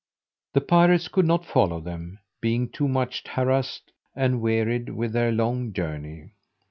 The pirates could not follow them, being too much harassed and wearied with their long journey.